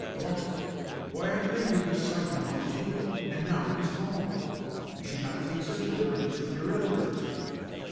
"What! Why, I laid it beside me on the table, and now it is gone! You should not take such liberties with your elders."